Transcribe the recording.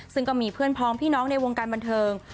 ซึ่งก็มีเพื่อนพ้องพี่น้องในวงการบันเทิง